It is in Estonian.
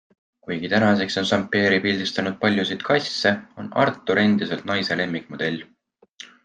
Kuigi tänaseks on Zampieri pildistanud paljusid kasse, on Arthur endiselt naise lemmikmodell.